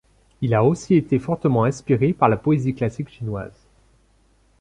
Il a aussi été fortement inspiré par la poésie classique chinoise.